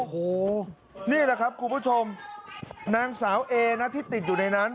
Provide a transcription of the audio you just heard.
โอ้โหนี่แหละครับคุณผู้ชมนางสาวเอนะที่ติดอยู่ในนั้น